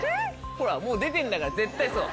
ほらもう出てんだから絶対そう。